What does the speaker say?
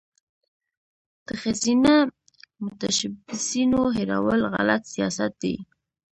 د ښځینه متشبثینو هیرول غلط سیاست دی.